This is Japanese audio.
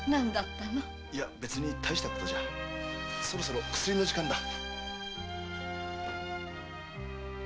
なぁに大した事じゃそろそろ薬の時間だ。